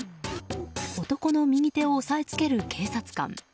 男の右手を押さえつける警察官。